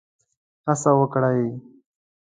هڅه وکړي.